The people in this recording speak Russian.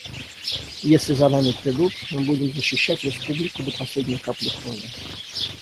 Если за нами придут, мы будем защищать Республику до последней капли крови.